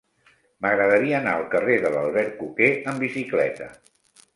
M'agradaria anar al carrer de l'Albercoquer amb bicicleta.